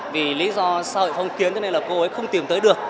vì lý do xã hội phong kiến cho nên là cô ấy không tìm tới được